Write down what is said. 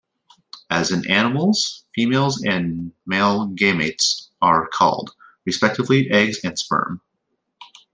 As in animals, female and male gametes are called, respectively, "eggs" and "sperm.